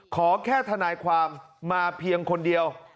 ขอแค่ทนายความมาเพียงคนเดียว